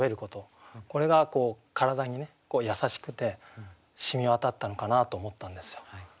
これが体に優しくてしみわたったのかなと思ったんですよ。